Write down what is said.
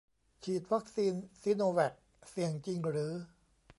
ฉีดวัคซีนซิโนแวคเสี่ยงจริงหรือ